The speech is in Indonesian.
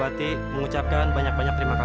itu sudah tenang di sana